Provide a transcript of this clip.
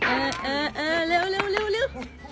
เออเออเออเร็วเร็วเร็ว